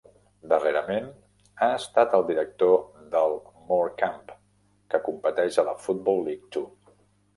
Darrerament, ha estat el director del Morecambe, que competeix a la Football League Two.